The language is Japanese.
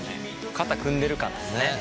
肩組んでる感ですね。